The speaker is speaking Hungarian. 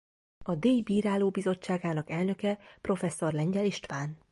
A díj bírálóbizottságának elnöke Prof. Lengyel István.